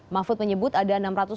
mahfud menyebut ada enam ratus enam puluh